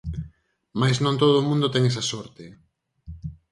Mais non todo o mundo ten esa sorte.